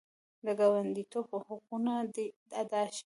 د ګاونډیتوب حقونه دې ادا شي.